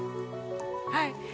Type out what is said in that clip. はい